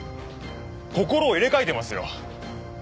心を入れ替えてますよ。